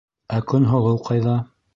Ә Көнһылыу ҡайҙа?